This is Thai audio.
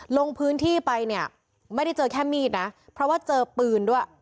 ลงพื้นที่ไปเนี่ยไม่ได้เจอแค่มีดนะเพราะว่าเจอปืนด้วย